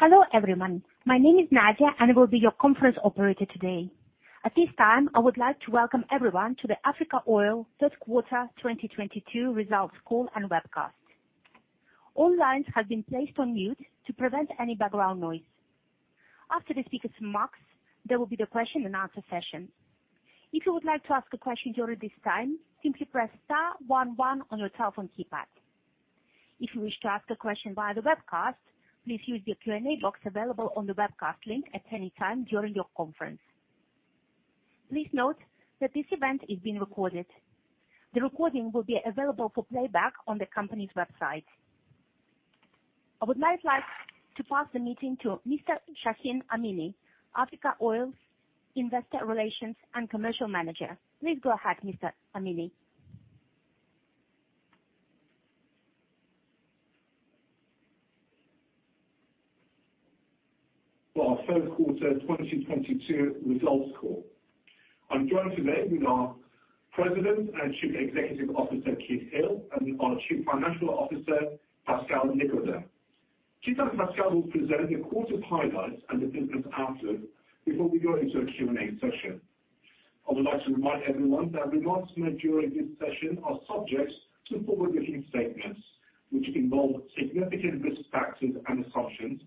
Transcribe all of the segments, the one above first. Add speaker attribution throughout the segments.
Speaker 1: Hello, everyone. My name is Nadia, and I will be your conference operator today. At this time, I would like to welcome everyone to the Africa Oil Q3 2022 Results Call and Webcast. All lines have been placed on mute to prevent any background noise. After the speaker's remarks, there will be the question and answer session. If you would like to ask a question during this time, simply press star one one on your telephone keypad. If you wish to ask a question via the webcast, please use the Q&A box available on the webcast link at any time during your conference. Please note that this event is being recorded. The recording will be available for playback on the company's website. I would now like to pass the meeting to Mr. Shahin Amini, Africa Oil's Investor Relations and Commercial Manager. Please go ahead, Mr. Amini.
Speaker 2: For our Q3 2022 results call. I'm joined today with our President and Chief Executive Officer, Keith Hill, and our Chief Financial Officer, Pascal Nicodème'. Keith and Pascal will present the quarter's highlights and the business outlook before we go into a Q&A session. I would like to remind everyone that remarks made during this session are subject to forward-looking statements, which involve significant risk factors and assumptions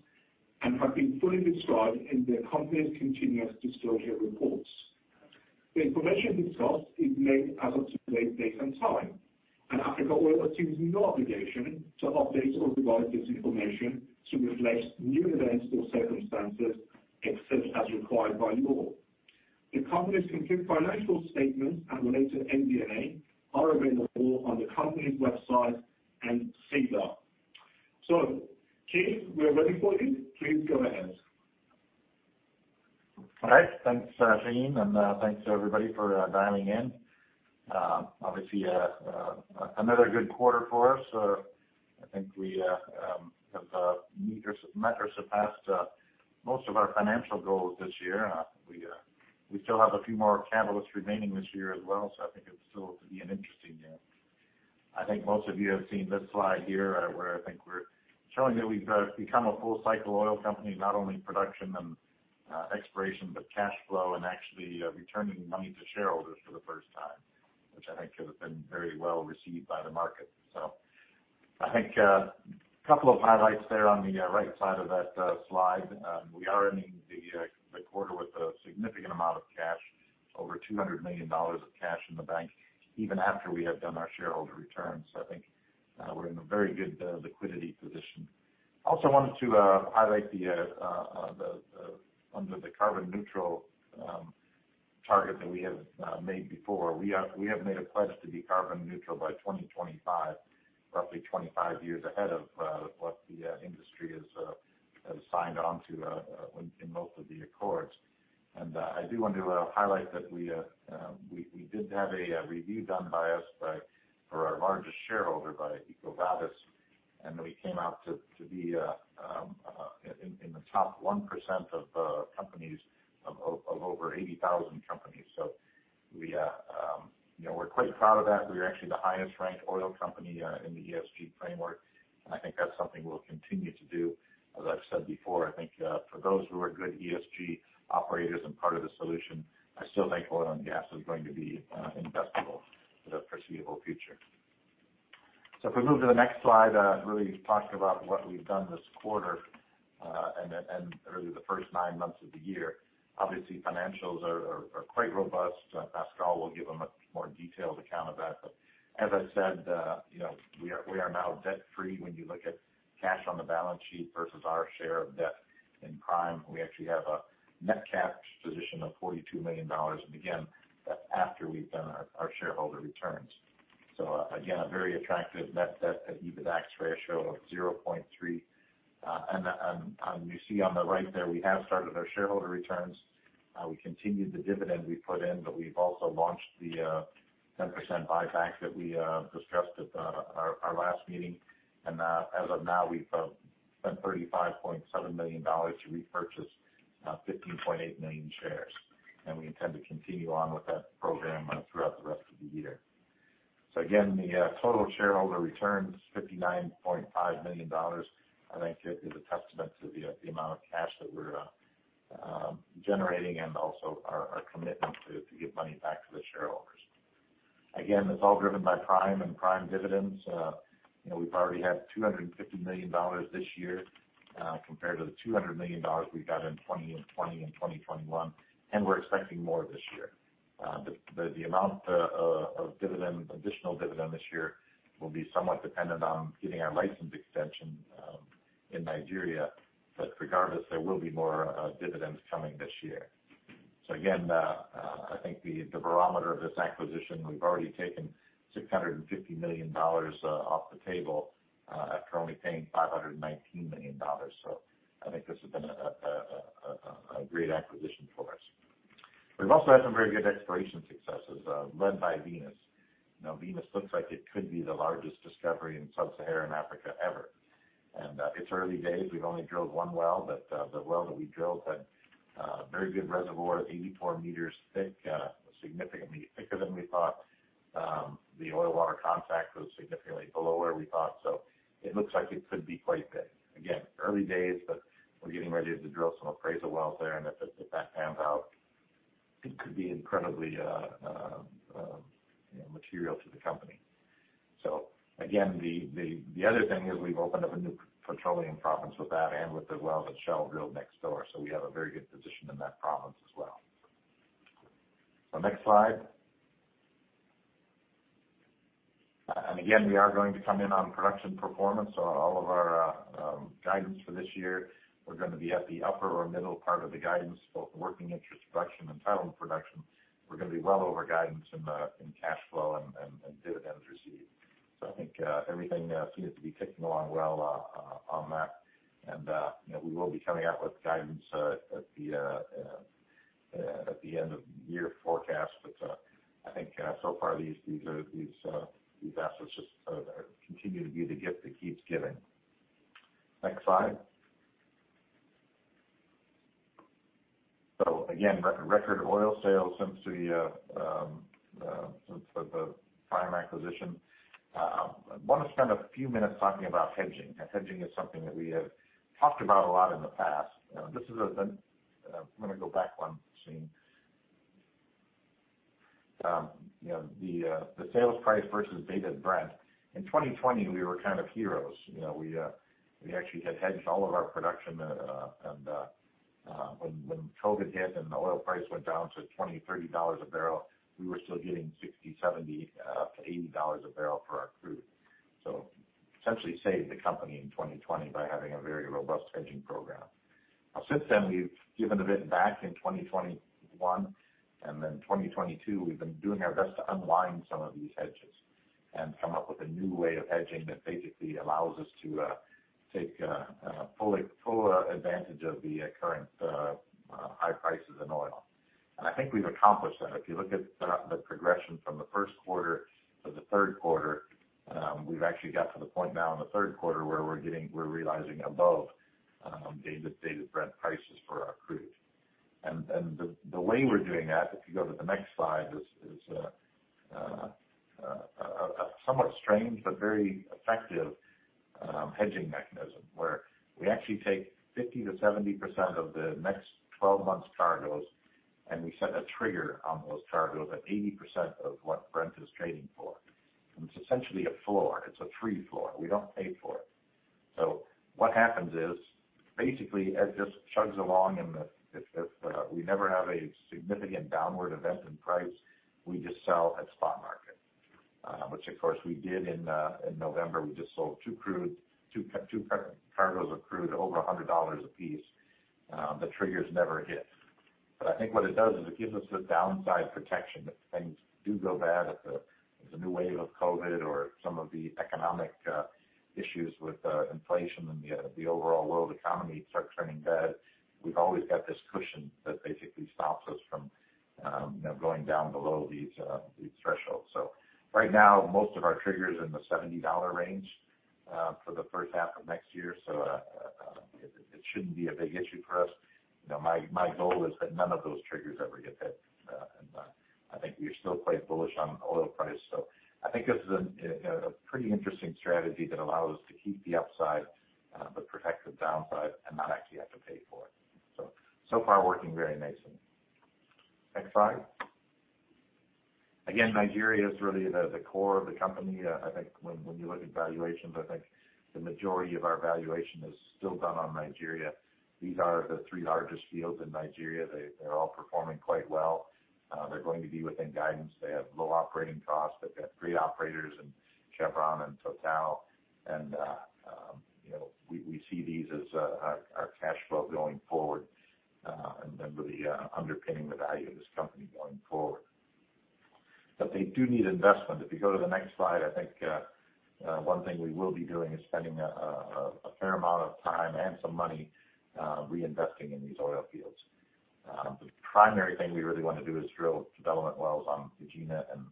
Speaker 2: and have been fully described in the company's continuous disclosure reports. The information discussed is made as of today's date and time, and Africa Oil assumes no obligation to update or revise this information to reflect new events or circumstances, except as required by law. The company's complete financial statements and related MD&A are available on the company's website and SEDAR. Keith, we're ready for you. Please go ahead.
Speaker 3: All right. Thanks, Shahin, and thanks to everybody for dialing in. Obviously, another good quarter for us. I think we have met or surpassed most of our financial goals this year. We still have a few more catalysts remaining this year as well, so I think it's still to be an interesting year. I think most of you have seen this slide here, where I think we're showing that we've become a full cycle oil company, not only production and exploration, but cash flow and actually returning money to shareholders for the first time, which I think has been very well received by the market. I think couple of highlights there on the right side of that slide. We are ending the quarter with a significant amount of cash, over $200 million of cash in the bank, even after we have done our shareholder returns. I think we're in a very good liquidity position. I also wanted to highlight under the carbon neutral target that we have made before. We have made a pledge to be carbon neutral by 2025, roughly 25 years ahead of what the industry has signed on to in most of the accords. I do want to highlight that we did have a review done for our largest shareholder by EcoVadis, and we came out to be in the top 1% of companies of over 80,000 companies. You know, we're quite proud of that. We are actually the highest ranked oil company in the ESG framework, and I think that's something we'll continue to do. As I've said before, I think for those who are good ESG operators and part of the solution, I still think oil and gas is going to be investable for the foreseeable future. If we move to the next slide, really talking about what we've done this quarter, and really the first nine months of the year. Obviously, financials are quite robust. Pascal will give a more detailed account of that. As I said, you know, we are now debt-free. When you look at cash on the balance sheet versus our share of debt in Prime, we actually have a net cash position of $42 million. Again, that's after we've done our shareholder returns. Again, a very attractive net debt to EBITDAX ratio of 0.3. You see on the right there, we have started our shareholder returns. We continued the dividend we put in, but we've also launched the 10% buyback that we discussed at our last meeting. As of now, we've spent $35.7 million to repurchase 15.8 million shares. We intend to continue on with that program throughout the rest of the year. Again, the total shareholder returns, $59.5 million, I think it is a testament to the amount of cash that we're generating and also our commitment to give money back to the shareholders. Again, it's all driven by Prime and Prime dividends. You know, we've already had $250 million this year compared to the $200 million we got in 2020 and 2021, and we're expecting more this year. The amount of additional dividend this year will be somewhat dependent on getting our license extension in Nigeria. Regardless, there will be more dividends coming this year. Again, I think the barometer of this acquisition, we've already taken $650 million off the table after only paying $519 million. I think this has been a great acquisition for us. We've also had some very good exploration successes led by Venus. Now, Venus looks like it could be the largest discovery in Sub-Saharan Africa ever. It's early days. We've only drilled one well, but the well that we drilled had very good reservoir, 84 m thick, significantly thicker than we thought. The oil water contact was significantly below where we thought. It looks like it could be quite big. Early days, but we're getting ready to drill some appraisal wells there, and if that pans out, it could be incredibly, you know, material to the company. The other thing is we've opened up a new petroleum province with that and with the wells that Shell drilled next door. We have a very good position in that province as well. Next slide. We are going to come in on production performance. All of our guidance for this year, we're going to be at the upper or middle part of the guidance, both working interest production and title production. We're going to be well over guidance in cash flow and dividends received. I think everything seems to be ticking along well on that. You know, we will be coming out with guidance at the end of year forecast. I think so far these assets just continue to be the gift that keeps giving. Next slide. Again, record oil sales since the Prime acquisition. I want to spend a few minutes talking about hedging. Now hedging is something that we have talked about a lot in the past. You know, I'm going to go back one, Shahin Amini. You know, the sales price versus dated Brent. In 2020, we were kind of heroes. You know, we actually had hedged all of our production. When COVID hit and the oil price went down to $20-$30 a barrel, we were still getting $60, $70 up to $80 a barrel for our crude. Essentially saved the company in 2020 by having a very robust hedging program. Now since then, we've given a bit back in 2021, and then 2022, we've been doing our best to unwind some of these hedges and come up with a new way of hedging that basically allows us to take full advantage of the current high prices in oil. I think we've accomplished that. If you look at the progression from the Q1 to the Q3, we've actually got to the point now in the Q3 where we're realizing above dated Brent prices for our crude. The way we're doing that, if you go to the next slide, is a somewhat strange but very effective hedging mechanism where we actually take 50%-70% of the next 12 months cargoes, and we set a trigger on those cargoes at 80% of what Brent is trading for. It's essentially a floor. It's a free floor. We don't pay for it. What happens is, basically, it just chugs along, and if we never have a significant downward event in price, we just sell at spot market, which of course we did in November. We just sold two cargos of crude over $100 a piece. The triggers never hit. I think what it does is it gives us the downside protection if things do go bad, if there's a new wave of COVID or some of the economic issues with inflation and the overall world economy start turning bad, we've always got this cushion that basically stops us from, you know, going down below these thresholds. Right now, most of our trigger's in the $70 range for the H1 of next year. It shouldn't be a big issue for us. You know, my goal is that none of those triggers ever get hit. I think we are still quite bullish on oil price. I think this is a pretty interesting strategy that allows us to keep the upside but protect the downside and not actually have to pay for it. So far working very nicely. Next slide. Again, Nigeria is really the core of the company. I think when you look at valuations, I think the majority of our valuation is still done on Nigeria. These are the three largest fields in Nigeria. They're all performing quite well. They're going to be within guidance. They have low operating costs. They've got great operators in Chevron and Total. You know, we see these as our cash flow going forward and really underpinning the value of this company going forward. They do need investment. If you go to the next slide, I think one thing we will be doing is spending a fair amount of time and some money reinvesting in these oil fields. The primary thing we really want to do is drill development wells on Egina and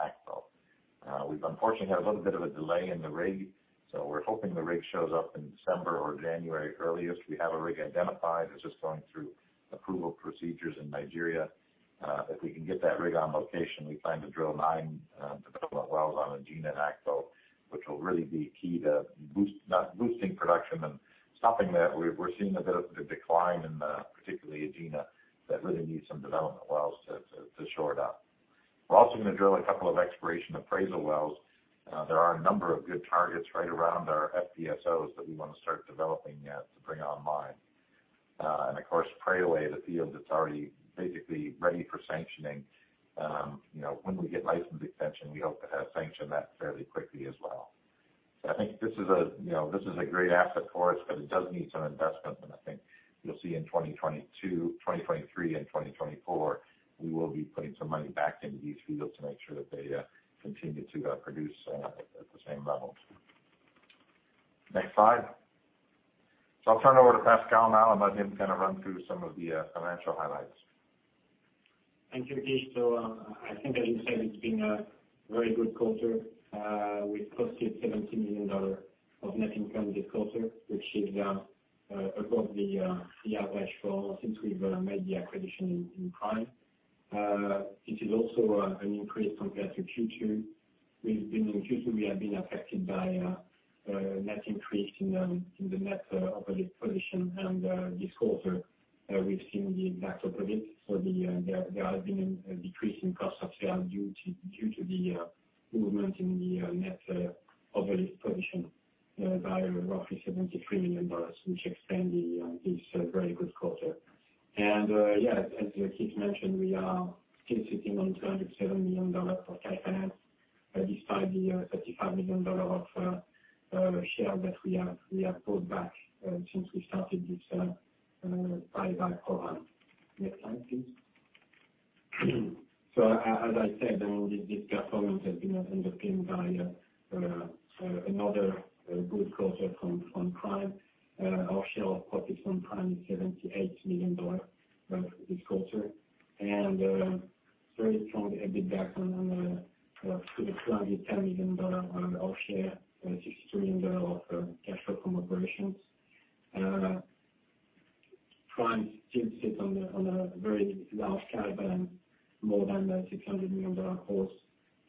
Speaker 3: Akpo. We've unfortunately had a little bit of a delay in the rig, so we're hoping the rig shows up in December or January, earliest. We have a rig identified. It's just going through approval procedures in Nigeria. If we can get that rig on location, we plan to drill 9 development wells on Egina and Akpo, which will really be key to boosting production and stopping that. We're seeing a bit of a decline in, particularly, Egina that really needs some development wells to shore it up. We're also going to drill a couple of exploration appraisal wells. There are a number of good targets right around our FPSOs that we want to start developing to bring online. Of course, Preowei, the field that's already basically ready for sanctioning, you know, when we get license extension, we hope to sanction that fairly quickly as well. I think this is a, you know, this is a great asset for us, but it does need some investment. I think you'll see in 2022, 2023 and 2024, we will be putting some money back into these fields to make sure that they continue to produce at the same levels. Next slide. I'll turn it over to Pascal now and let him kind of run through some of the financial highlights.
Speaker 4: Thank you, Keith. I think as you said, it's been a very good quarter. We posted $17 million of net income this quarter. Above the average for since we've made the acquisition in Prime. It is also an increase compared to Q2. In Q2, we have been affected by net increase in the net operating position. This quarter, we've seen the exact opposite. There has been a decrease in cost of sales due to the movement in the net operating position by roughly $73 million, which extends this very good quarter. Yeah, as Keith mentioned, we are still sitting on $207 million for. [inaudible] Despite the $35 million of shares that we have bought back since we started this buyback program. Next slide, please. I said this performance has been underpinned by another good quarter from Prime. Our share of profits from Prime is $78 million for this quarter. Very strong EBITDA of $210 million on our share, $63 million of cash flow from operations. Prime still sits on a very large cash and more than $600 million cash.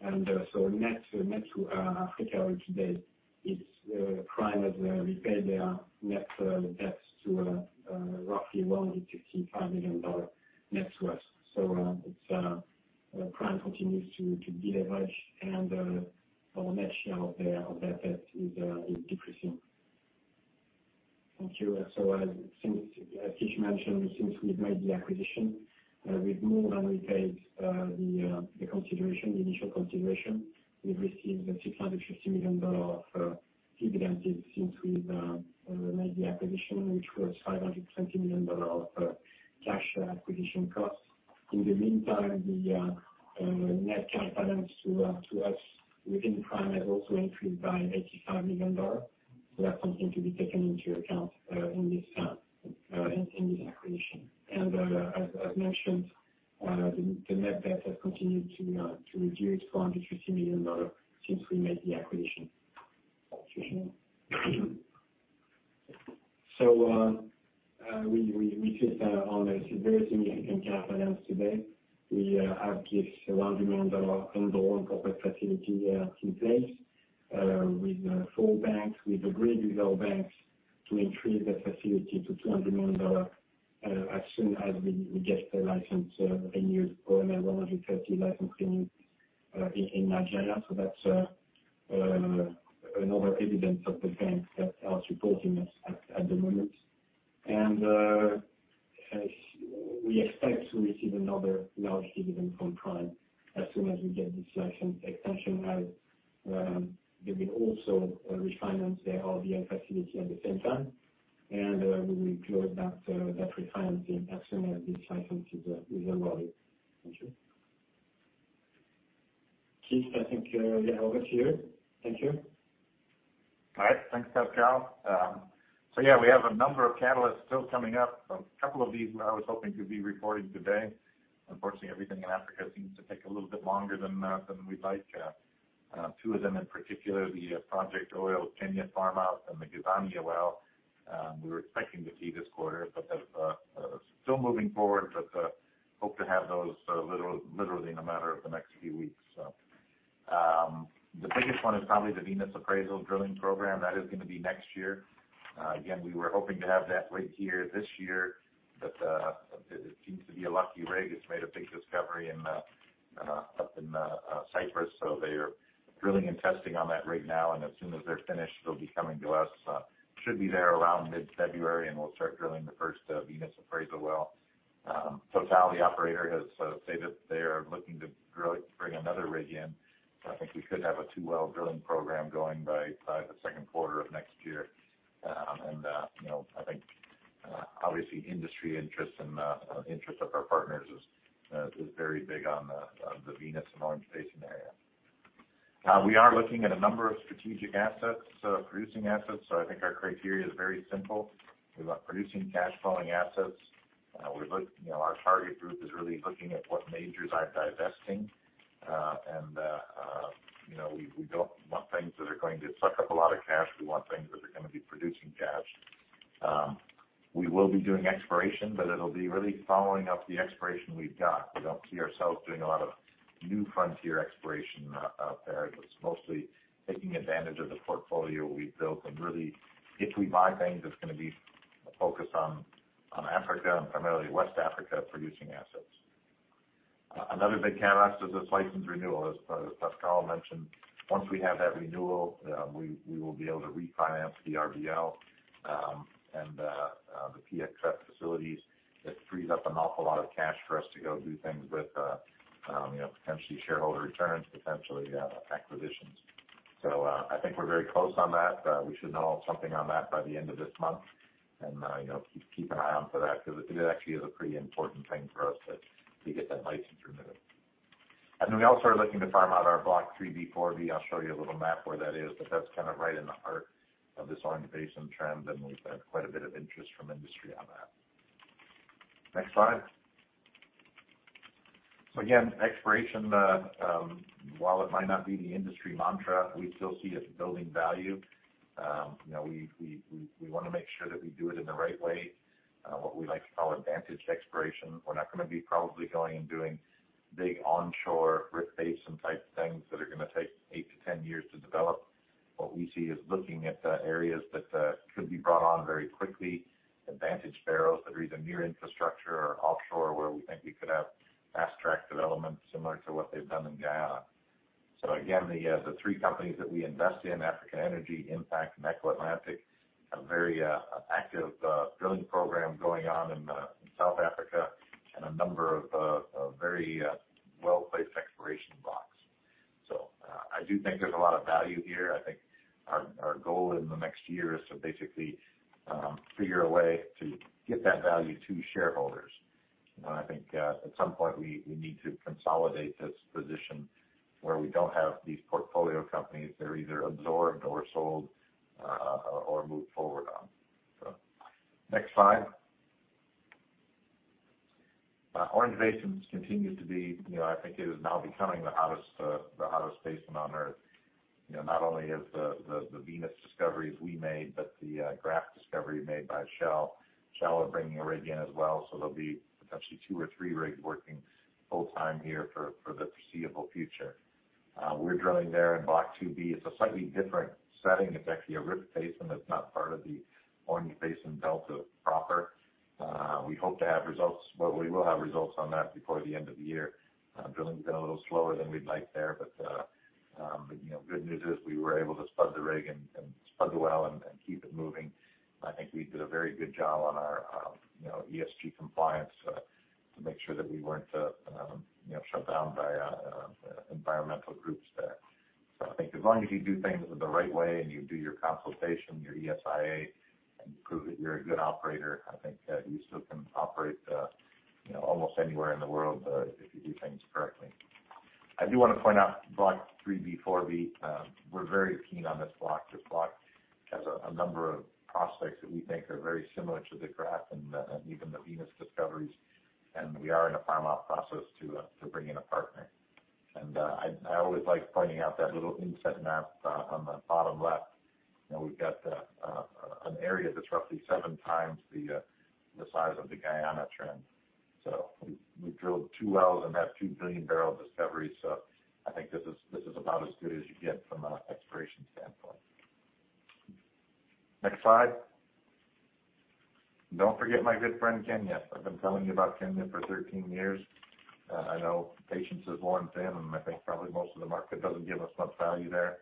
Speaker 4: Net to Africa Oil today, Prime has repaid their net debts to roughly $165 million net debt. Prime continues to deleverage and our net share of that debt is decreasing. Thank you. Keith mentioned, since we've made the acquisition, we've more than repaid the consideration, the initial consideration. We've received $650 million of dividends since we've made the acquisition, which was $520 million of cash acquisition costs. In the meantime, the net cash balance to us within Prime has also increased by $85 million. That's something to be taken into account in this acquisition. As mentioned, the net debt has continued to reduce $450 million since we made the acquisition. Next slide. We sit on a very significant capital today. We have this $100 million unsecured corporate facility in place with four banks. We've agreed with our banks to increase that facility to $200 million as soon as we get the license renewed, OML 130 license renewed in Nigeria. That's another evidence of the banks that are supporting us at the moment. We expect to receive another large dividend from Prime as soon as we get this license extension as they will also refinance their RBL facility at the same time. We will close that refinancing as soon as this license is renewed. Thank you. Keith, I think over to you. Thank you.
Speaker 3: All right. Thanks, Pascal. Yeah, we have a number of catalysts still coming up. A couple of these I was hoping to be reporting today. Unfortunately, everything in Africa seems to take a little bit longer than we'd like. Two of them in particular, the Project Oil Kenya farm out and the Gazania well, we were expecting to see this quarter, but still moving forward, but hope to have those literally in a matter of the next few weeks. The biggest one is probably the Venus appraisal drilling program. That is going to be next year. Again, we were hoping to have that rig here this year, but it seems to be a lucky rig. It's made a big discovery in Cyprus, so they are drilling and testing on that rig now. As soon as they're finished, they'll be coming to us. Should be there around mid-February, and we'll start drilling the first Venus appraisal well. Total, the operator, has stated they are looking to bring another rig in. I think we could have a two-well drilling program going by the second quarter of next year. You know, I think obviously industry interest and interest of our partners is very big on the Venus and Orange Basin area. We are looking at a number of strategic assets, producing assets. I think our criteria is very simple. We want producing cash flowing assets. We're looking, you know, at what majors are divesting. You know, we don't want things that are going to suck up a lot of cash. We want things that are going to be producing cash. We will be doing exploration, but it'll be really following up the exploration we've got. We don't see ourselves doing a lot of new frontier exploration out there. It's mostly taking advantage of the portfolio we've built. Really, if we buy things, it's going to be focused on Africa and primarily West Africa producing assets. Another big catalyst is this license renewal. As Pascal mentioned, once we have that renewal, we will be able to refinance the RBL and the PXF facilities. That frees up an awful lot of cash for us to go do things with, you know, potentially shareholder returns, potentially acquisitions. I think we're very close on that. We should know something on that by the end of this month. You know, keep an eye out for that because it actually is a pretty important thing for us to get that license renewed. Then we also are looking to farm out our Block 3B, 4B. I'll show you a little map where that is, but that's kind of right in the heart of this Orange Basin trend, and we've had quite a bit of interest from industry on that. Next slide. Again, exploration, while it might not be the industry mantra, we still see it building value. You know, we want to make sure that we do it in the right way, what we like to call advantage exploration. We're not going to be probably going and doing big onshore rift basin-type things that are going to take eight-10 years to develop. What we see is looking at areas that could be brought on very quickly, advantage barrels that are either near infrastructure or offshore, where we think we could have fast-track development similar to what they've done in Guyana. Again, the three companies that we invest in, Africa Energy, Impact, and Eco Atlantic, have very active drilling program going on in South Africa and a number of very well-placed exploration blocks. I do think there's a lot of value here. I think our goal in the next year is to basically figure a way to get that value to shareholders. I think at some point we need to consolidate this position where we don't have these portfolio companies. They're either absorbed or sold or moved forward on. Next slide. Orange Basin continues to be, you know, I think it is now becoming the hottest basin on Earth. You know, not only is the Venus discoveries we made, but the Graff discovery made by Shell. Shell are bringing a rig in as well, so there'll be potentially two or three rigs working full time here for the foreseeable future. We're drilling there in Block 2B. It's a slightly different setting. It's actually a rift basin that's not part of the Orange Basin Delta proper. We will have results on that before the end of the year. Drilling's been a little slower than we'd like there, but you know, good news is we were able to spud the rig and spud the well and keep it moving. I think we did a very good job on our you know, ESG compliance to make sure that we weren't you know, shut down by environmental groups there. I think as long as you do things the right way and you do your consultation, your ESIA, and prove that you're a good operator, I think you still can operate you know, almost anywhere in the world if you do things correctly. I do want to point out Block 3B, 4B. We're very keen on this block. This block has a number of prospects that we think are very similar to the Graff and even the Venus discoveries, and we are in a farm-out process to bring in a partner. I always like pointing out that little inset map on the bottom left. You know, we've got an area that's roughly 7x the size of the Guyana trend. So we've drilled two wells and have a 2 billion barrel discovery, so I think this is about as good as you get from an exploration standpoint. Next slide. Don't forget my good friend, Kenya. I've been telling you about Kenya for 13 years. I know patience is worn thin, and I think probably most of the market doesn't give us much value there.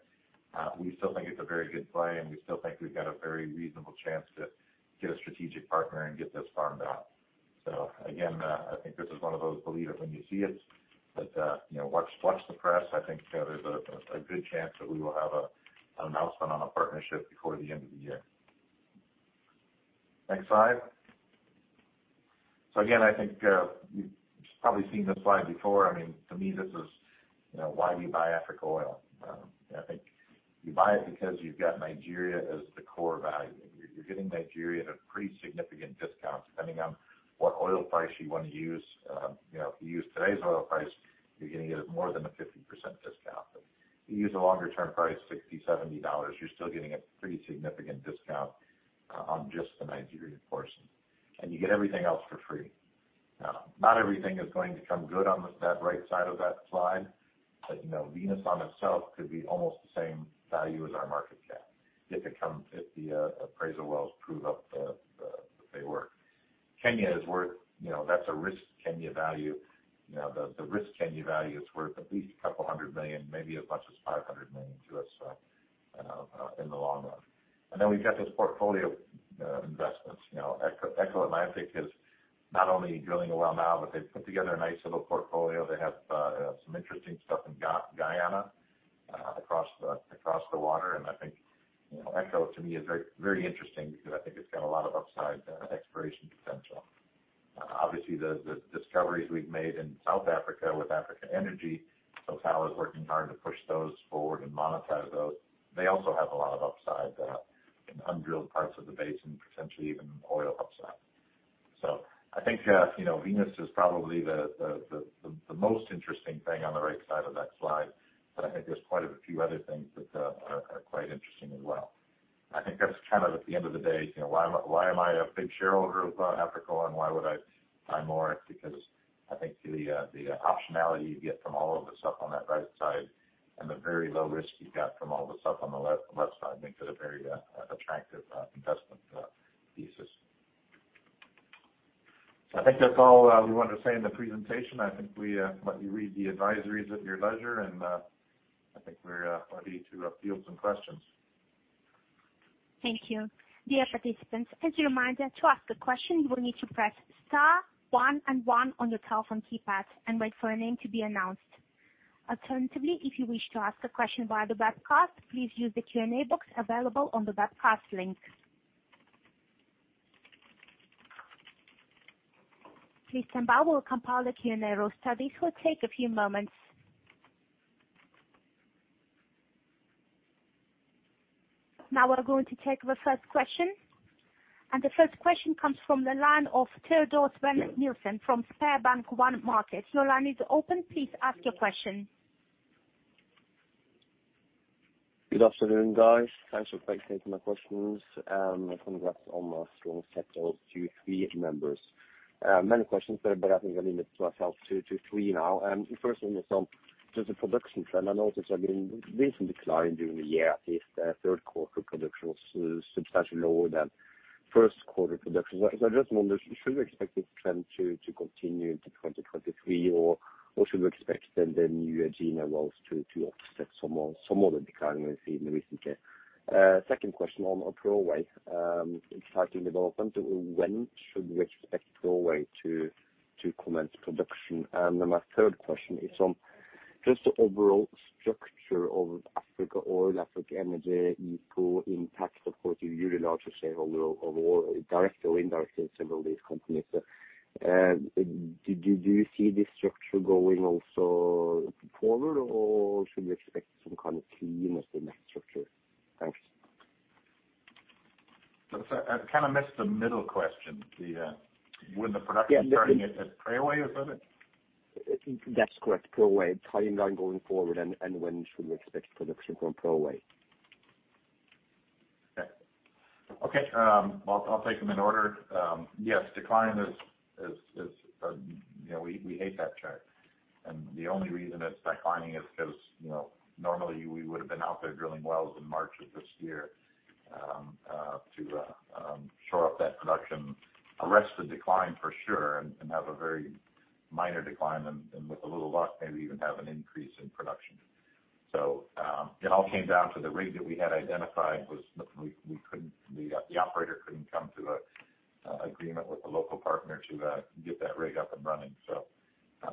Speaker 3: We still think it's a very good play, and we still think we've got a very reasonable chance to get a strategic partner and get this farmed out. Again, I think this is one of those believe it when you see it, but, you know, watch the press. I think, there's a good chance that we will have an announcement on a partnership before the end of the year. Next slide. Again, I think, you've probably seen this slide before. I mean, to me, this is, you know, why we buy Africa Oil. I think you buy it because you've got Nigeria as the core value. You're getting Nigeria at a pretty significant discount, depending on what oil price you want to use. You know, if you use today's oil price, you're going to get more than a 50% discount. If you use a longer-term price, $60-$70, you're still getting a pretty significant discount on just the Nigeria portion, and you get everything else for free. Not everything is going to come good on that right side of that slide, but you know, Venus in itself could be almost the same value as our market cap if it come if the appraisal wells prove up the pay. Kenya is worth, you know, that's a risked Kenya value. You know, the risked Kenya value is worth at least a couple hundred million, maybe as much as 500 million to us in the long run. Then we've got this portfolio investments. You know, Eco (Atlantic) Oil & Gas is not only drilling a well now, but they've put together a nice little portfolio. They have some interesting stuff in Guyana, across the water. I think, you know, Eco (Atlantic) Oil & Gas to me is very, very interesting because I think it's got a lot of upside exploration potential. Obviously, the discoveries we've made in South Africa with Africa Energy, Total is working hard to push those forward and monetize those. They also have a lot of upside in undrilled parts of the basin, potentially even oil upside. I think, you know, Venus is probably the most interesting thing on the right side of that slide, but I think there's quite a few other things that are quite interesting as well. I think that's kind of, at the end of the day, you know, why am I a big shareholder of Africa Oil, and why would I buy more? It's because I think the optionality you get from all of the stuff on that right side and the very low risk you've got from all of the stuff on the left side makes it a very attractive investment thesis. I think that's all we wanted to say in the presentation. I think we let you read the advisories at your leisure, and I think we're ready to field some questions.
Speaker 1: Thank you. Dear participants, as a reminder, to ask a question, you will need to press star one and one on your telephone keypad and wait for your name to be announced. Alternatively, if you wish to ask a question via the webcast, please use the Q&A box available on the webcast link. Please stand by. We'll compile the Q&A roster. This will take a few moments. Now we're going to take the first question. The first question comes from the line of Teodor Sveen-Nilsen from SpareBank 1 Markets. Your line is open. Please ask your question.
Speaker 5: Good afternoon, guys. Thanks for taking my questions. Congrats on a strong set of Q3 numbers. Many questions, but I think I'll limit myself to three now. The first one is on just the production trend. I noticed there's been recent decline during the year. I think the Q3 production was substantially lower than Q1 production. I just wonder, should we expect this trend to continue into 2023, or should we expect then the new Egina wells to offset some more of the decline we've seen recently? Second question on Preowei. Exciting development. When should we expect Preowei to commence production? My third question is on just the overall structure of Africa Oil, Africa Energy, Eco, Impact, of course, you're the largest shareholder of all, directly or indirectly in several of these companies. Do you see this structure going also forward, or should we expect some kind of clean, let's say, net structure? Thanks.
Speaker 3: I kind of missed the middle question. When the production is starting at Preowei, is that it?
Speaker 5: That's correct, Preowei. Timing on going forward and when should we expect production from Preowei?
Speaker 3: Okay. I'll take them in order. Yes, decline is, you know, we hate that trend. The only reason it's declining is because, you know, normally we would've been out there drilling wells in March of this year, to shore up that production, arrest the decline for sure, and have a very minor decline and with a little luck, maybe even have an increase in production. It all came down to the rig that we had identified. The operator couldn't come to an agreement with the local partner to get that rig up and running.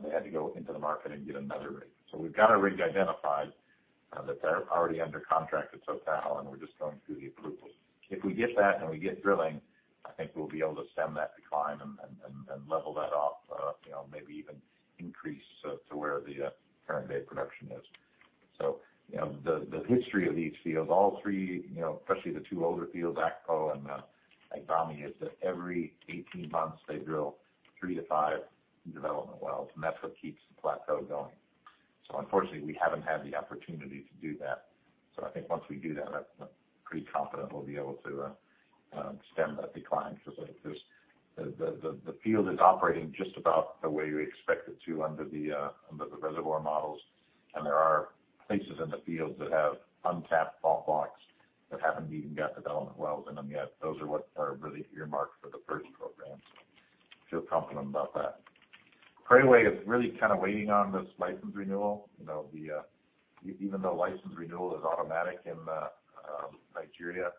Speaker 3: They had to go into the market and get another rig. We've got a rig identified that they're already under contract with Total, and we're just going through the approvals. If we get that and we get drilling, I think we'll be able to stem that decline and level that off, you know, maybe even increase to where the current day production is. You know, the history of each field, all three, you know, especially the two older fields, Akpo and Agbami, is that every 18 months, they drill three to five development wells, and that's what keeps the plateau going. Unfortunately, we haven't had the opportunity to do that. I think once we do that, I'm pretty confident we'll be able to stem that decline because the field is operating just about the way we expect it to under the reservoir models, and there are places in the field that have untapped fault blocks that haven't even got development wells in them yet. Those are what are really earmarked for the first program. I feel confident about that. Preowei is really kind of waiting on this license renewal. Even though license renewal is automatic in Nigeria,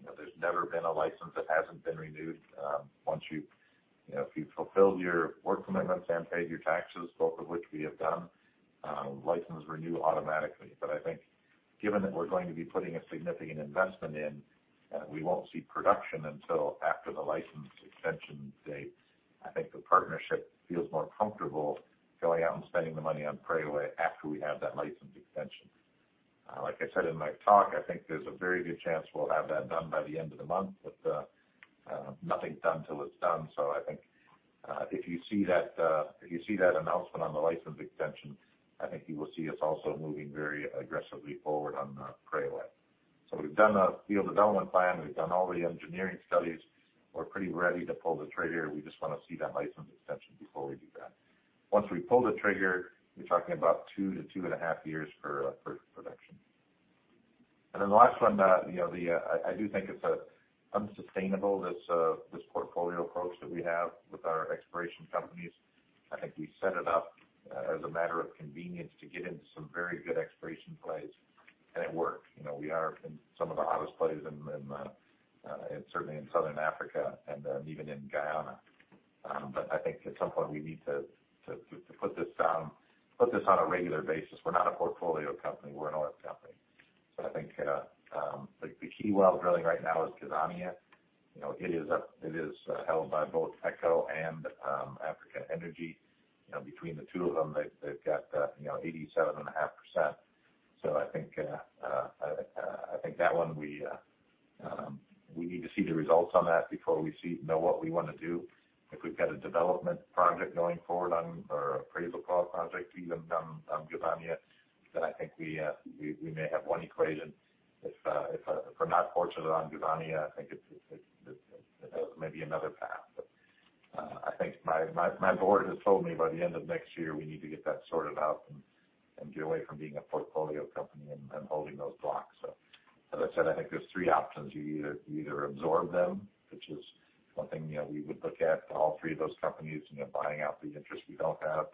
Speaker 3: you know, there's never been a license that hasn't been renewed. Once you've fulfilled your work commitments and paid your taxes, both of which we have done, license renews automatically. I think given that we're going to be putting a significant investment in, we won't see production until after the license extension date. I think the partnership feels more comfortable going out and spending the money on Preowei after we have that license extension. Like I said in my talk, I think there's a very good chance we'll have that done by the end of the month, but nothing's done till it's done. I think if you see that announcement on the license extension, you will see us also moving very aggressively forward on Preowei. We've done the field development plan. We've done all the engineering studies. We're pretty ready to pull the trigger. We just want to see that license extension before we do that. Once we pull the trigger, we're talking about two to two and a half years for production. The last one, you know, I do think it's unsustainable, this portfolio approach that we have with our exploration companies. I think we set it up as a matter of convenience to get into some very good exploration plays, and it worked. You know, we are in some of the hottest plays in certainly in Southern Africa and even in Guyana. I think at some point, we need to put this on a regular basis. We're not a portfolio company. We're an oil company. I think like the key well drilling right now is Gazania. You know, it is held by both Akpo and Africa Energy. You know, between the two of them, they've got 87.5%. So I think that one, we need to see the results on that before we know what we want to do. If we've got a development project going forward or appraisal well project even on Gazania, then I think we may have one option. If we're not fortunate on Gazania, I think it's maybe another path. But I think my board has told me by the end of next year we need to get that sorted out and get away from being a portfolio company and holding those blocks. As I said, I think there's three options. You either absorb them, which is something, you know, we would look at all three of those companies, you know, buying out the interest we don't have.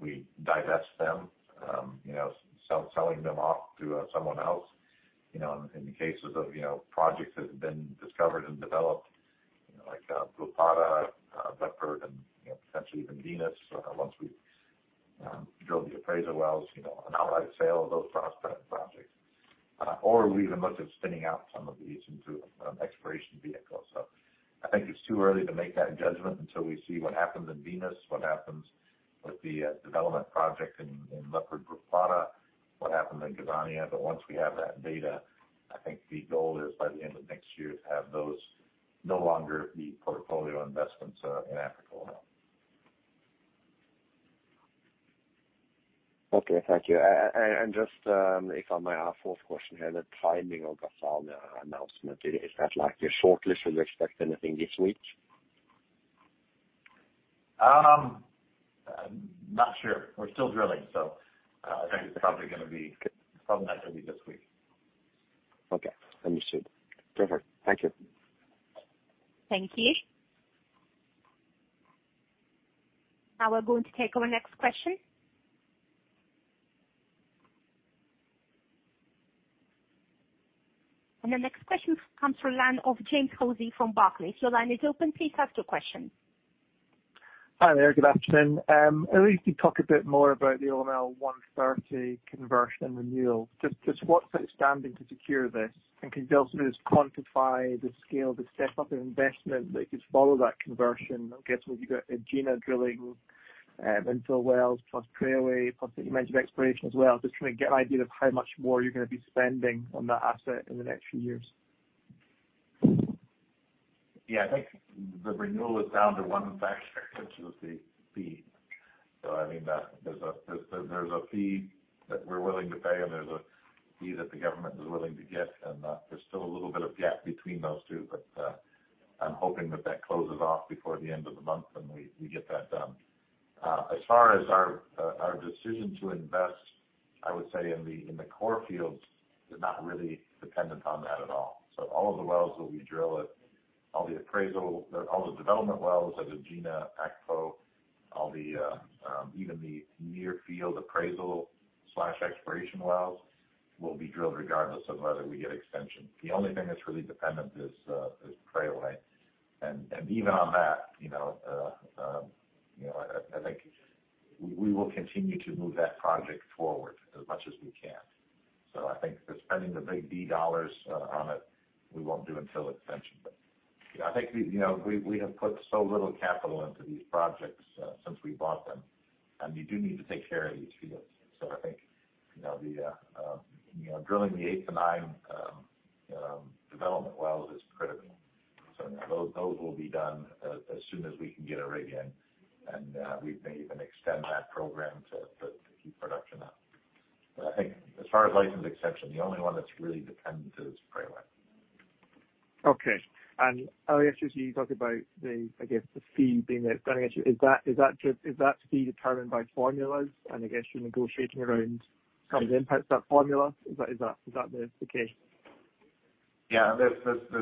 Speaker 3: We divest them, you know, selling them off to someone else. You know, in the cases of, you know, projects that have been discovered and developed, you know, like Brulpadda, Luiperd and, you know, potentially even Venus, once we drill the appraisal wells, you know, an outright sale of those prospect projects. Or we even look at spinning out some of these into exploration vehicles. I think it's too early to make that judgment until we see what happens in Venus, what happens with the development project in Luiperd, Brulpadda, what happens in Gazania. Once we have that data, I think the goal is by the end of next year to have those no longer be portfolio investments in Africa Oil.
Speaker 5: Okay, thank you. Just, if I may ask fourth question, the timing of the final announcement, is that like your shortlist? Should we expect anything this week?
Speaker 3: Not sure. We're still drilling, so I think it's probably not going to be this week.
Speaker 5: Okay. Understood. Perfect. Thank you.
Speaker 1: Thank you. Now we're going to take our next question. The next question comes from the line of James Hosie from Barclays. Your line is open. Please ask your question.
Speaker 6: Hi there. Good afternoon. Could you talk a bit more about the OML 130 conversion and renewal. Just what's outstanding to secure this? And can you also just quantify the scale, the step up in investment that'll follow that conversion against what you've got Egina drilling, infill wells plus Preowei, plus the exploration that you mentioned as well. Just trying to get an idea of how much more you're going to be spending on that asset in the next few years.
Speaker 3: Yeah, I think the renewal is down to one factor, which is the fee. I think that there's a fee that we're willing to pay, and there's a fee that the government is willing to get, and there's still a little bit of gap between those two. I'm hoping that that closes off before the end of the month, and we get that done. As far as our decision to invest in the core fields is not really dependent on that at all. All of the wells that we drill at all the appraisal, all the development wells at Egina, Akpo, even the near field appraisal/exploration wells will be drilled regardless of whether we get extension. The only thing that's really dependent is Preowei. Even on that, you know, I think we will continue to move that project forward as much as we can. I think the spending the big dollars on it, we won't do until extension. I think we, you know, we have put so little capital into these projects since we bought them, and you do need to take care of these fields. I think, you know, drilling the eight to nine development wells is critical. Those will be done as soon as we can get a rig in, and we may even extend that program to keep production up. I think as far as license extension, the only one that's really dependent is Preowei.
Speaker 6: Okay. I guess you talked about the, I guess the fee being the standing issue. Is that just the fee determined by formulas and I guess you're negotiating around some impacts to that formula? Is that the case?
Speaker 3: Yeah. There's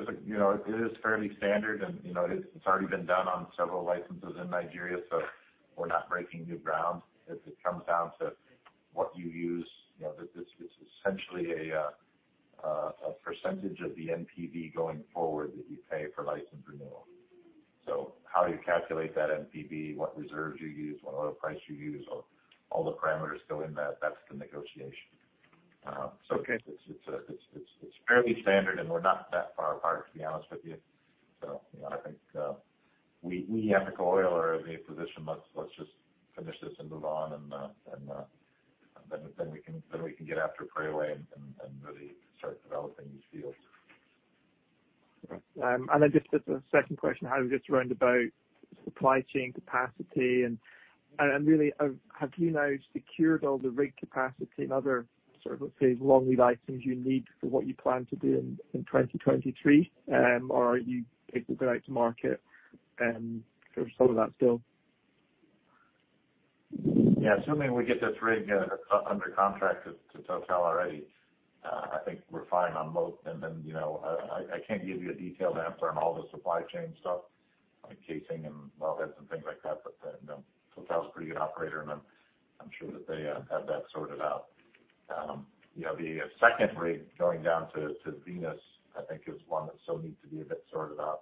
Speaker 3: a, you know, it is fairly standard and, you know, it's already been done on several licenses in Nigeria, so we're not breaking new ground. It comes down to what you use. You know, this is essentially a percentage of the NPV going forward that you pay for license renewal. How you calculate that NPV, what reserves you use, what oil price you use, all the param go in that's the negotiation.
Speaker 6: Okay.
Speaker 3: It's fairly standard, and we're not that far apart, to be honest with you. You know, I think we Africa Oil are in a position. Let's just finish this and move on, and then we can get after Preowei and really start developing these fields.
Speaker 6: Just as a second question, I was just wondering about supply chain capacity and really, have you now secured all the rig capacity and other sort of, let's say, long lead items you need for what you plan to do in 2023, or are you able to go out to market for some of that still?
Speaker 3: Yeah. Assuming we get this rig under contract to Total already, I think we're fine on both. You know, I can't give you a detailed answer on all the supply chain stuff, like casing and well heads and things like that. Total's a pretty good operator, and I'm sure that they have that sorted out. You know, the second rig going down to Venus, I think is one that still needs to be a bit sorted out.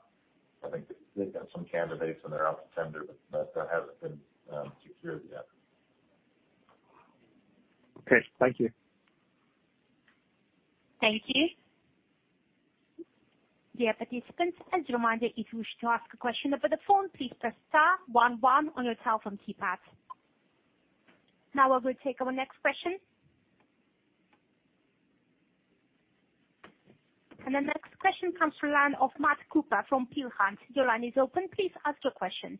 Speaker 3: I think they've got some candidates and they're out to tender, but that hasn't been secured yet.
Speaker 6: Okay. Thank you.
Speaker 1: Thank you. Dear participants, as a reminder, if you wish to ask a question over the phone, please press star one one on your telephone keypad. Now we will take our next question. The next question comes from the line of Matt Cooper from Peel Hunt. Your line is open. Please ask your question.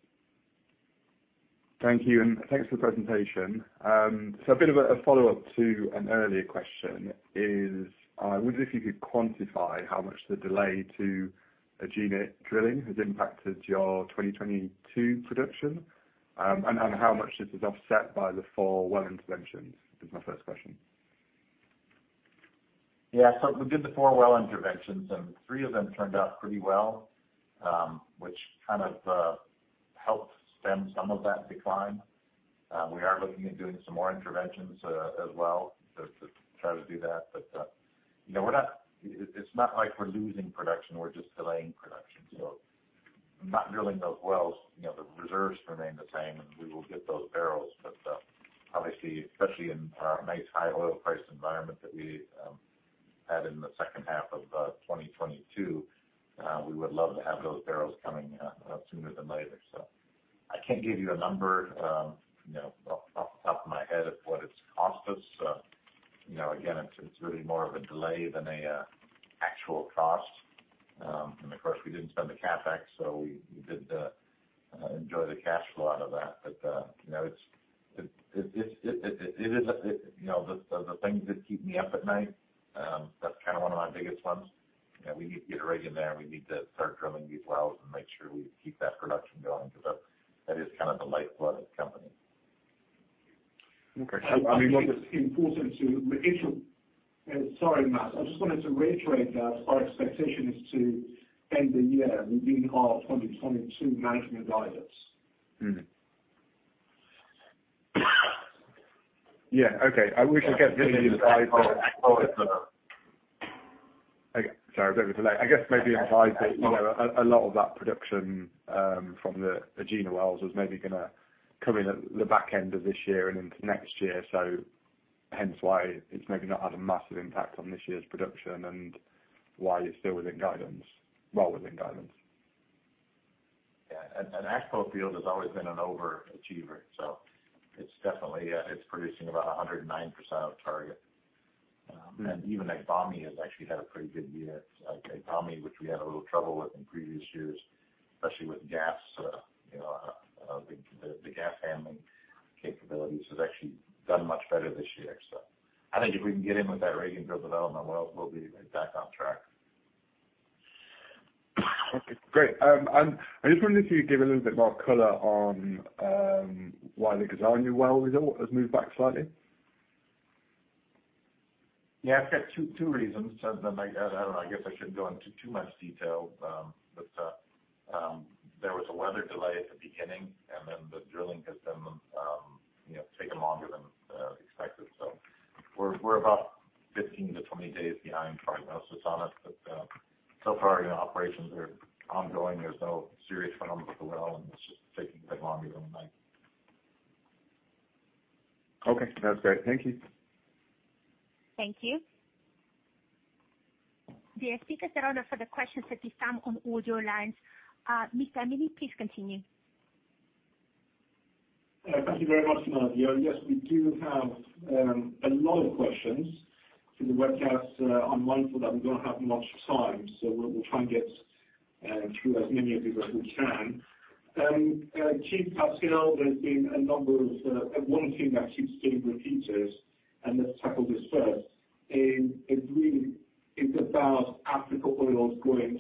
Speaker 7: Thank you, and thanks for the presentation. A bit of a follow-up to an earlier question is, I wonder if you could quantify how much the delay to Egina drilling has impacted your 2022 production, and how much this is offset by the four well interventions is my first question.
Speaker 3: Yeah. We did the four well interventions, and three of them turned out pretty well, which kind of helped stem some of that decline. We are looking at doing some more interventions as well just to try to do that. You know, we're not. It's not like we're losing production. We're just delaying production. Not drilling those wells, you know, the reserves remain the same, and we will get those barrels. Obviously, especially in our nice high oil price environment that we had in the H2 of 2022, we would love to have those barrels coming sooner than later. I can't give you a number, you know, off the top of my head of what it's cost us. You know, again, it's really more of a delay than an actual cost. Of course, we didn't spend the CapEx, so we did enjoy the cash flow out of that. You know, it is. You know, the things that keep me up at night, that's kind of one of my biggest ones. You know, we need to get the rig in there, and we need to start drilling these wells and make sure we keep that production going because that is kind of the lifeblood of the company.
Speaker 7: Okay.
Speaker 2: I think it's important. Sorry, Matt, I just wanted to reiterate that our expectation is to end the year with the full year 2022 management guidance.
Speaker 7: Sorry, a bit of a delay. I guess maybe advise that, you know, a lot of that production from the Egina wells was maybe going to come in at the back end of this year and into next year. Hence why it's maybe not had a massive impact on this year's production and why it's still within guidance, well within guidance.
Speaker 3: Yeah. Akpo field has always been an overachiever, so it's definitely it's producing about 109% of target. Even Agbami has actually had a pretty good year. Agbami, which we had a little trouble with in previous years, especially with gas, you know, the gas handling capabilities, has actually done much better this year. I think if we can get in with that rig and drill development wells, we'll be back on track.
Speaker 7: Okay, great. I just wondered if you could give a little bit more color on why the Gazania new well result has moved back slightly.
Speaker 3: Yeah. I've got two reasons. I don't know, I guess I shouldn't go into too much detail. There was a weather delay at the beginning, and then the drilling has been, you know, taking longer than expected. We're about 15-20 days behind current analysis on it. So far, you know, operations are ongoing. There's no serious problems with the well, and it's just taking a bit longer than we'd like.
Speaker 7: Okay. That's great. Thank you.
Speaker 1: Thank you. The speakers are open for the questions that we found on audio lines. Mr. Amini, please continue.
Speaker 2: Thank you very much, Nadia. Yes, we do have a lot of questions in the webcast. I'm mindful that we don't have much time, so we'll try and get through as many of these as we can. Keith Hill, there's been a number of. One thing that keeps being repeated, and let's tackle this first, is it really is about Africa Oil's growing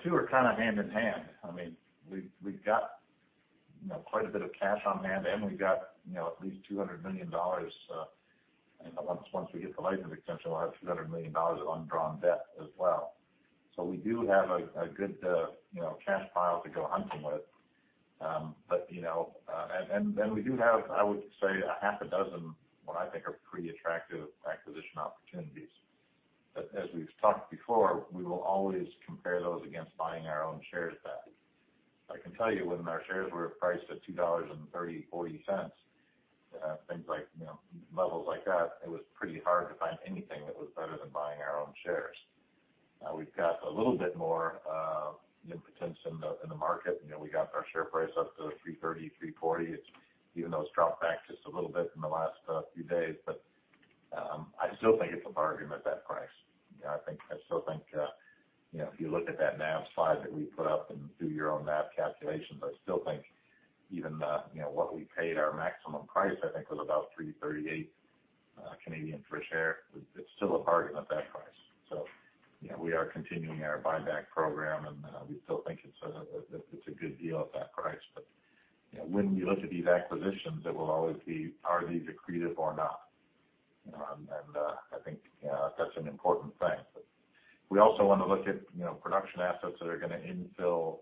Speaker 2: cash pile and also where are we currently being updated on our business development activities. Perhaps, Keith, you want to just share your views on what is your plan?
Speaker 3: Yeah. I mean, the two are kind of hand in hand. I mean, we've got, you know, quite a bit of cash on hand, and we've got, you know, at least $200 million, you know, once we get the license extension, we'll have $200 million of undrawn debt as well. We do have a good, you know, cash pile to go hunting with. You know, we do have, I would say, a half a dozen, We also want to look at, you know, production assets that are going to infill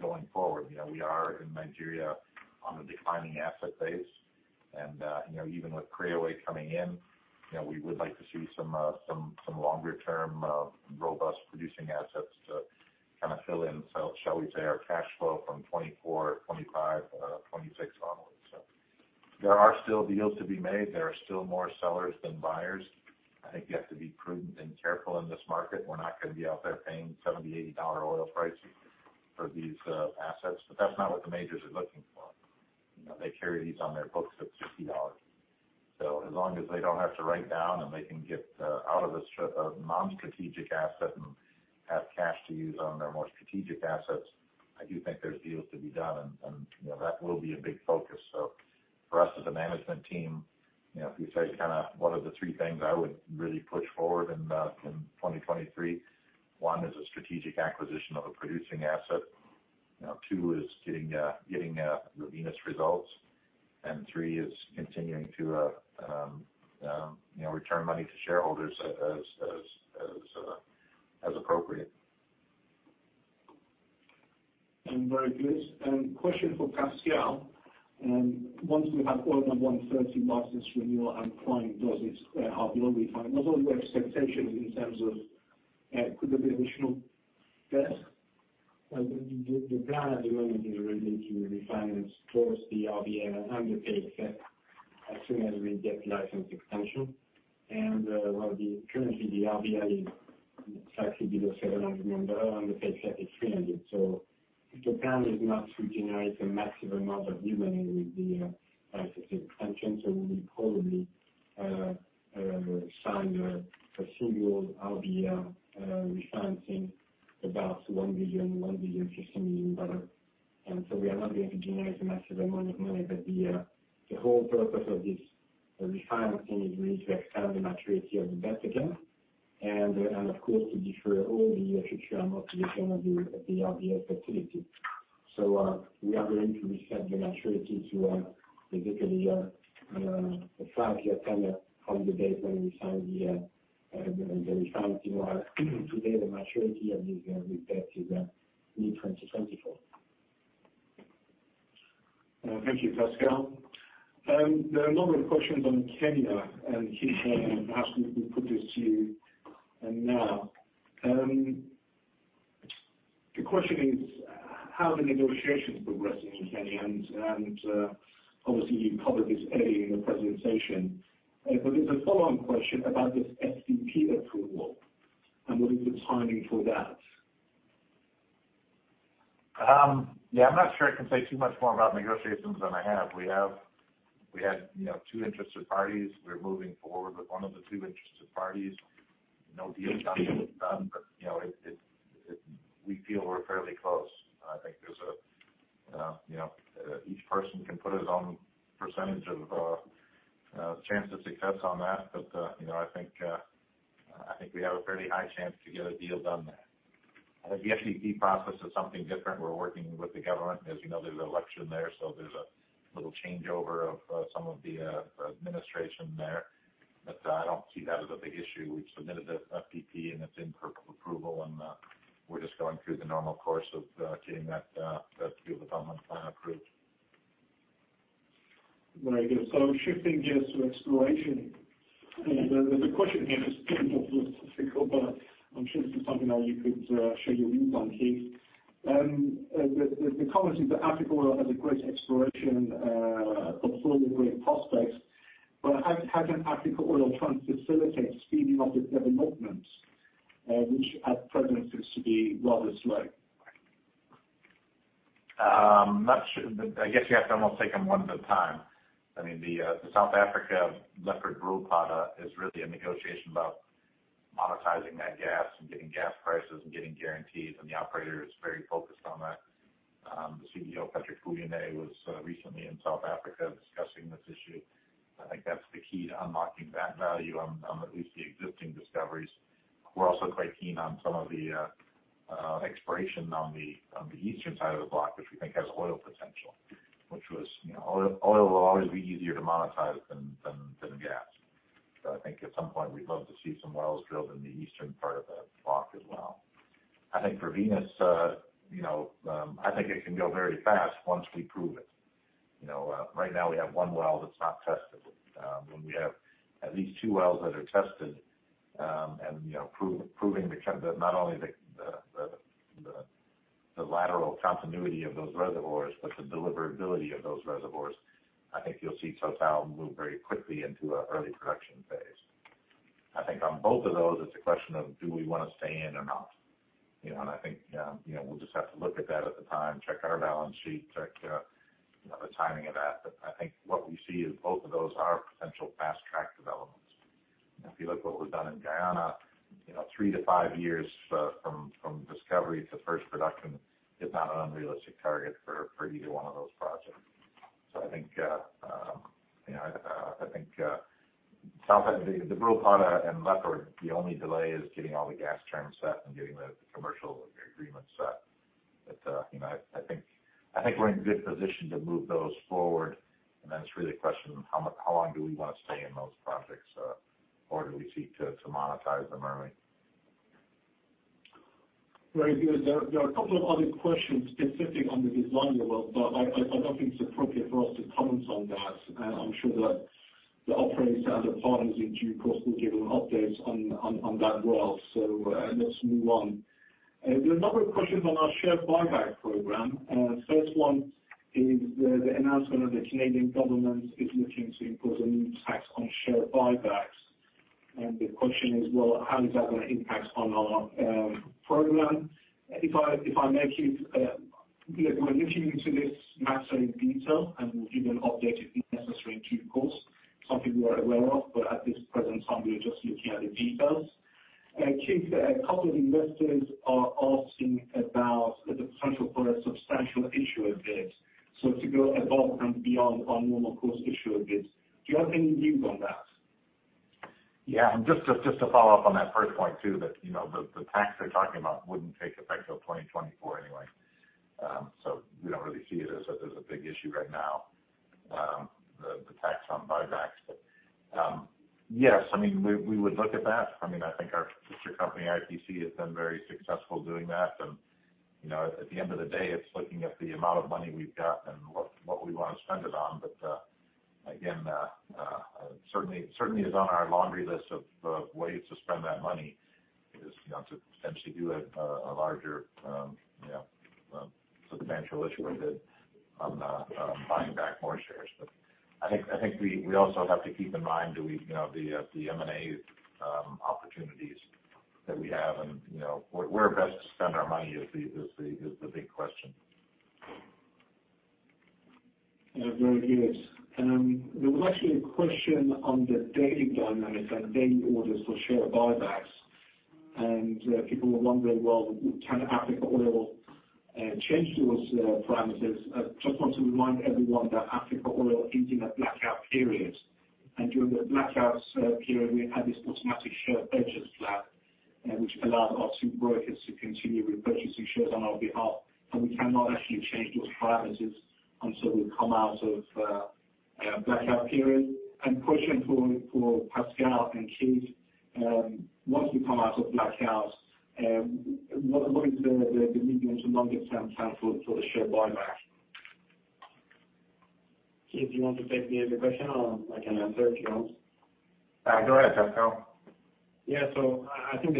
Speaker 3: going forward. You know, we are in Nigeria on a declining asset base. You know, even with Preowei coming in, you know, we would like to see some longer-term robust producing assets to kind of fill in, shall we say, our cash flow from 2024, 2025, 2026 onwards. There are still deals to be made. There are still more sellers than buyers. I think you have to be prudent and careful in this market. We're not going to be out there paying $70-$80 dollar oil price for these assets, but that's not what the majors are looking for. You know, they carry these on their books at $50. As long as they don't have to write down, and they can get out of a non-strategic asset and have cash to use on their more strategic assets, I do think there's deals to be done. You know, that will be a big focus. For us as a management team, you know, if you say kind of what are the three things I would really push forward in 2023, one is a strategic acquisition of a producing asset. You know, two is getting the Venus results, and three is continuing to, you know, return money to shareholders as appropriate.
Speaker 2: I'm very pleased. Question for Pascal. Once we have OML 130 license renewal and Total does its half-yearly filing, what are your expectations in terms of could there be additional debt?
Speaker 4: Well, the plan at the moment is really to refinance towards the RBL and the PXF debt as soon as we get the license extension. Currently the RBL is slightly below $700 million, and the PXF debt is $300 million. The plan is not to generate a massive amount of new money with the license extension. We will probably sign a revised RBL refinancing about $1.05 billion. We are not going to generate a massive amount of money. The whole purpose of this refinancing is really to extend the maturity of the debt again and, of course, to defer all the future amortization of the RBL facility. We are going to reset the maturity to, basically, a five-year tenor from the date when we sign the refinancing. While today, the maturity of this debt is mid-2024.
Speaker 2: Thank you, Pascal. There are a number of questions on Kenya. Keith, perhaps we put this to you now. The question is, how are the negotiations progressing in Kenya? Obviously you covered this area in the presentation. But there's a follow-on question about this FDP approval and what is the timing for that?
Speaker 3: Yeah, I'm not sure I can say too much more about negotiations than I have. We had, you know, two interested parties. We're moving forward with one of the two interested parties. No deal is done. You know, we feel we're fairly close. I think there's a you know each person can put his own percentage of chance of success on that. You know, I think we have a fairly high chance to get a deal done there. The FDP process is something different. We're working with the government. As you know, there's an election there, so there's a little changeover of some of the administration there. I don't see that as a big issue. We've submitted the FDP, and it's in for approval, and we're just going through the normal course of getting that development plan approved.
Speaker 2: Very good. Shifting gears to exploration. The question here is a bit more philosophical, but I'm sure this is something that you could share your views on, Keith. The comment is that Africa Oil has a great exploration portfolio of great prospects. How can Africa Oil try and facilitate speeding up its developments, which at present seems to be rather slow?
Speaker 3: I'm not sure. I guess you have to almost take them one at a time. I mean, the South Africa Luiperd, Brulpadda is really a negotiation about monetizing that gas and getting gas prices and getting guarantees, and the operator is very focused on that. The CEO, Patrick Pouyanné, was recently in South Africa discussing this issue. I think that's the key to unlocking that value on at least the existing discoveries. We're also quite keen on some of the exploration on the eastern side of the block, which we think has oil potential. You know, oil will always be easier to monetize than gas. I think at some point, we'd love to see some wells drilled in the eastern part of the block as well. I think for Venus, you know, I think it can go very fast once we prove it. You know, right now we have one well that's not tested. When we have at least two wells that are tested, and you know, proving that not only the lateral continuity of those reservoirs, but the deliverability of those reservoirs, I think you'll see Total move very quickly into an early production phase. I think on both of those, it's a question of do we want to stay in or not, you know? And I think, you know, we'll just have to look at that at the time, check our balance sheet, check you know the timing of that. I think what we see is both of those are potential fast-track developments. If you look at what was done in Guyana, you know, three to five years from discovery to first production is not an unrealistic target for either one of those projects. I think the Brulpadda and Luiperd, the only delay is getting all the gas terms set and getting the commercial agreements set. I think we're in a good position to move those forward. It's really a question of how long do we want to stay in those projects, or do we seek to monetize them early?
Speaker 2: Very good. There are a couple of other questions specific on the M'zwané well, but I don't think it's appropriate for us to comment on that. I'm sure that the operators and other partners in due course will give updates on that well. Let's move on. There are a number of questions on our share buyback program. First one is the announcement that the Canadian government is looking to impose a new tax on share buybacks. The question is, well, how is that going to impact on our program? If I may, Keith, we are looking into this matter in detail, and we'll give an update if necessary in due course. Something we are aware of, but at this present time, we are just looking at the details. Keith, a couple of investors are asking about the potential for a substantial issuer bid, so to go above and beyond our normal course issuer bids. Do you have any views on that?
Speaker 3: Yeah. Just to follow up on that first point too, you know, the tax they're talking about wouldn't take effect till 2024 anyway. So we don't really see it as a big issue right now, the tax on buybacks. Yes, I mean, we would look at that. I mean, I think our sister company, IPC, has been very successful doing that. You know, at the end of the day, it's looking at the amount of money we've got and what we want to spend it on. Again, certainly is on our laundry list of ways to spend that money, you know, to potentially do a larger, you know, substantial issue with it on buying back more shares. I think we also have to keep in mind that we've, you know, the M&A opportunities that we have and, you know, where best to spend our money is the big question.
Speaker 2: Yeah. Very good. There was actually a question on the daily dynamics and daily orders for share buybacks, and people were wondering, well, can Africa Oil change those param? Just want to remind everyone that Africa Oil is in a blackout period. During the blackout period, we have had this automatic share purchase plan which allows our two brokers to continue with purchasing shares on our behalf, and we cannot actually change those param until we come out of blackout period. Question for Pascal and Keith, once we come out of blackout, what are going to be the medium to longer term plan for the share buyback?
Speaker 4: Keith, you want to take the question or I can answer if you want?
Speaker 3: Go ahead, Pascal.
Speaker 4: I think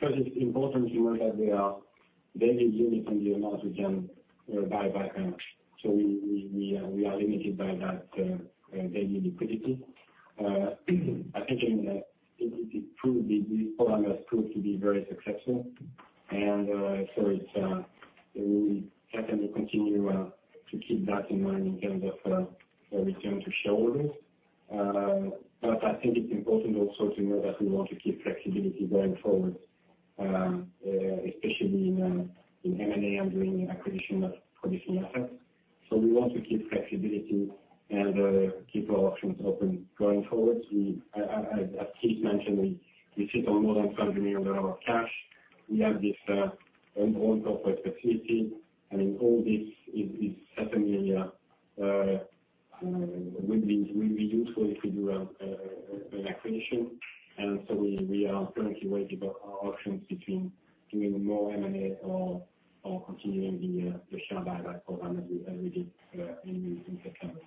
Speaker 4: first, it's important to note that we are daily limited in the amount we can buy back. We are limited by that daily liquidity. This program has proved to be very successful. We certainly continue to keep that in mind in terms of a return to shareholders. I think it's important also to know that we want to keep flexibility going forward, especially in M&A and doing acquisition of producing assets. We want to keep flexibility and keep our options open going forward. As Keith mentioned, we sit on more than $70 million cash. We have this undrawn corporate facility, and all this is certainly will be useful if we do an acquisition. We are currently weighing our options between doing more M&A or continuing the share buyback program as we did in September.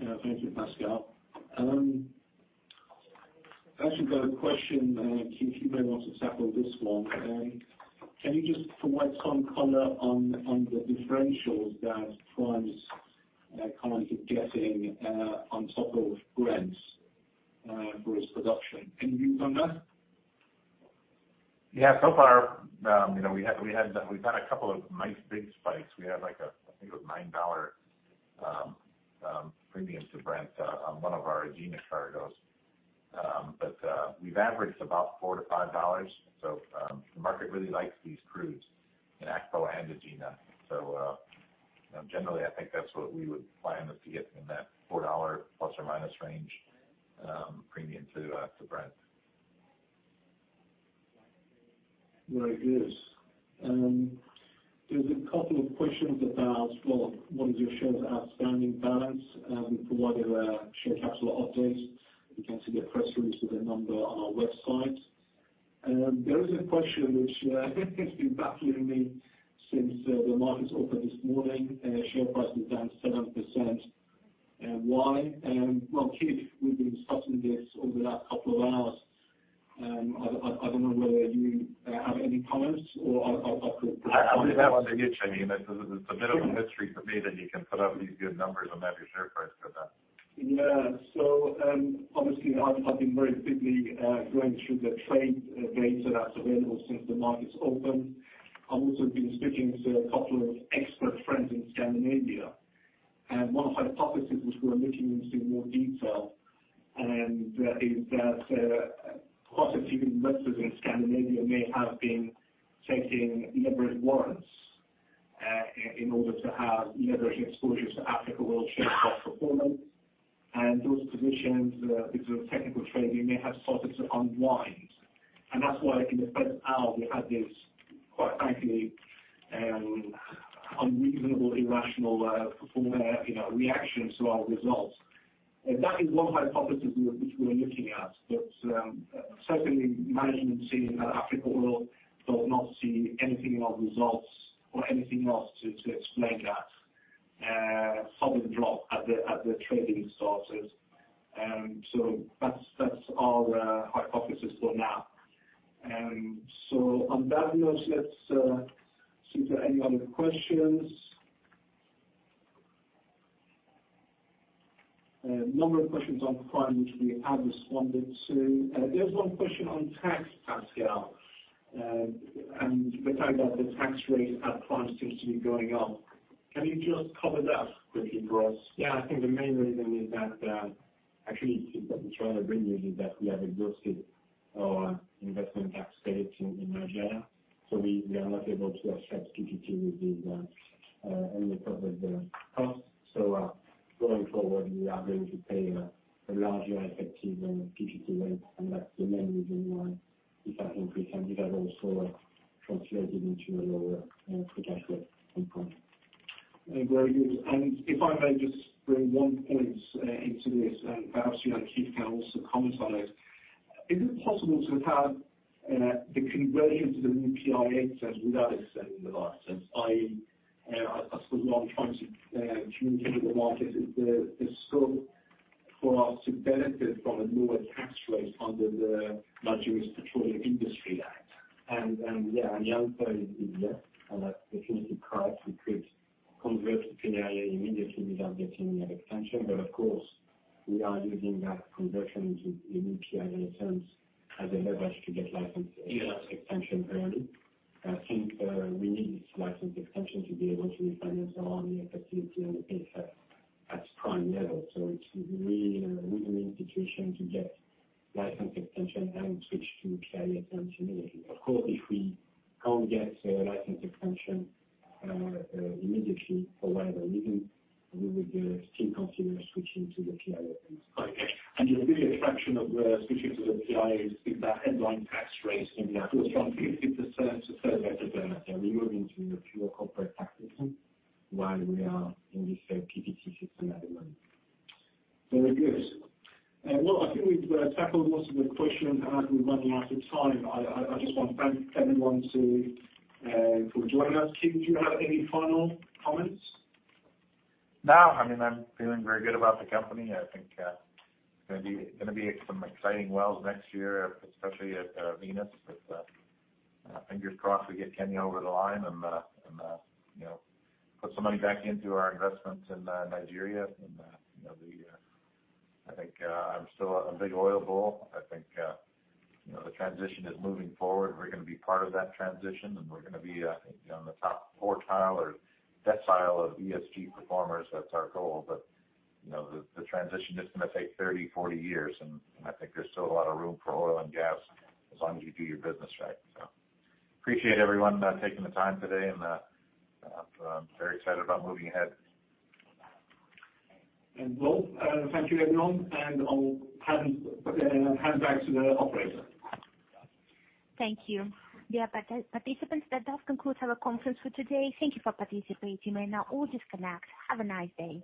Speaker 2: Yeah. Thank you, Pascal. Actually got a question, Keith, you may want to tackle this one. Can you just provide some color on the differentials that Prime's currently getting on top of Brent for its production? Any views on that?
Speaker 3: Yeah. So far, you know, we've had a couple of nice big spikes. We had like, I think, $9 premium to Brent on one of our Egina cargoes. We've averaged about $4-$5. The market really likes these crudes in Akpo and Egina. You know, generally, I think that's what we would plan to get in that $4 plus or minus range premium to Brent.
Speaker 2: Very good. There's a couple of questions about, well, what is your shares outstanding balance? We provided a share capital update. You can see the press release with the number on our website. There is a question which has been baffling me since the markets opened this morning. Share price is down 7%. Why? Well, Keith, we've been discussing this over the last couple of hours. I don't know whether you have any comments or.
Speaker 3: I only have a guess. I mean, it's a bit of a mystery to me that you can put up these good numbers and have your share price go down.
Speaker 2: Yeah. Obviously, I've been very quickly going through the trading data that's available since the markets opened. I've also been speaking to a couple of expert friends in Scandinavia. One of the hypotheses which we're looking into in more detail is that possibly even investors in Scandinavia may have been taking leveraged warrants in order to have leveraged exposure to Africa Oil share price performance. Those positions, because of technical trading, may have started to unwind. That's why in the first hour we had this, quite frankly, unreasonable, irrational reaction to our results. That is one hypothesis which we are looking at. Certainly, management team at Africa Oil does not see anything in our results or anything else to explain that sudden drop at the trading start. That's our hypothesis for now. On that note, let's see if there are any other questions. A number of questions on Prime, which we have responded to. There's one question on tax, Pascal, and the fact that the tax rate at Prime seems to be going up. Can you just cover that quickly for us?
Speaker 4: Yeah. I think the main reason is that, actually what we're trying to bring you is that we have exhausted our investment tax credits in Nigeria. We are not able to offset PPT with any further costs. Going forward, we are going to pay a larger effective tax rate than PPT rate, and that's the main reason why it has increased. It has also translated into a lower pre-tax rate standpoint.
Speaker 2: Very good. If I may just bring one point into this, and perhaps, you know, Keith can also comment on it. Is it possible to have the conversion to the new PIA without extending the license, i.e., I suppose what I'm trying to communicate with the market is the scope for us to benefit from a lower tax rate under the Nigerian Petroleum Industry Act.
Speaker 4: Yeah, the answer is yes. If anything, correct, we could convert to PIA immediately without getting that extension. But of course, we are using that conversion to the new PIA terms as a leverage to get license extension early. I think, we need this license extension to be able to refinance our only facility on the RBL at prime level. It would be really in our interest to get license extension and switch to PIA terms immediately. Of course, if we can't get a license extension immediately for whatever reason, we would still consider switching to the PIA terms.
Speaker 2: Okay. The big attraction of switching to the PIA is the headline tax rates in that.
Speaker 4: It goes from 50% to 30%. We move into a pure corporate tax system while we are in the PPT system at the moment.
Speaker 2: Very good. Well, I think we've tackled most of the questions, and as we're running out of time, I just want to thank everyone for joining us. Keith, do you have any final comments?
Speaker 3: No. I mean, I'm feeling very good about the company. I think going to be some exciting wells next year, especially at Venus. Fingers crossed we get Kenya over the line and you know, put some money back into our investments in Nigeria. I think I'm still a big oil bull. I think you know, the transition is moving forward. We're going to be part of that transition, and we're going to be you know, in the top quartile or decile of ESG performers. That's our goal. You know, the transition is going to take 30, 40 years and I think there's still a lot of room for oil and gas as long as you do your business right. Appreciate everyone taking the time today, and I'm very excited about moving ahead.
Speaker 2: Well, thank you everyone, and I'll hand back to the operator.
Speaker 1: Thank you. Dear participants, that does conclude our conference for today. Thank you for participating. You may now all disconnect. Have a nice day.